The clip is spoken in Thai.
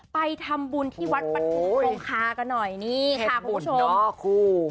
ไปทำบุญที่วัดประธุโครงคากันหน่อยนี่ค่ะคุณผู้ชมเห็นบุญเนอะครู